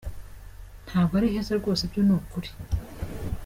Ntabwo ari heza rwose byo ni ukuri.